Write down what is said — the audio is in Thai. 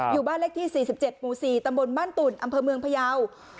อยู่บ้านเลขที่๔๗หมู่๔ตำบลบ้านตุ่นอำเภอเมืองพยาว